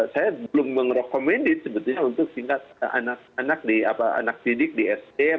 saya belum meng recommend sebetulnya untuk singkat anak anak didik di sm